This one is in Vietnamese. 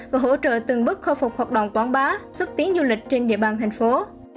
và hỗ trợ từng bước khôi phục hoạt động toán bá giúp tiến du lịch trên địa bàn tp hcm